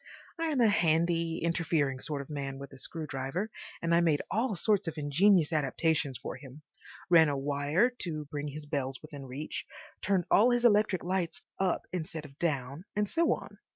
I am a handy, interfering sort of man with a screw driver, and I made all sorts of ingenious adaptations for him—ran a wire to bring his bells within reach, turned all his electric lights up instead of down, and so on.